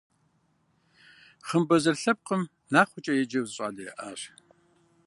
Хъымбэзэр лъэпкъым Нахъуэкӏэ еджэу зы щӏалэ яӏащ.